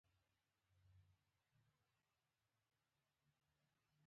توني؛ جمله هغه ده، چي ځای وښیي.